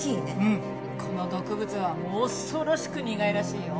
この毒物は恐ろしく苦いらしいよ。